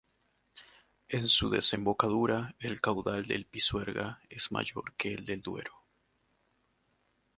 En su desembocadura el caudal del Pisuerga es mayor que el del Duero.